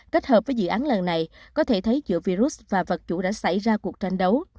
kết hợp với dự án lần này có thể thấy giữa virus và vật chủ đã xảy ra cuộc tranh đấu